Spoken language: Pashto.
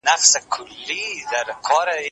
اقتصاد لرو.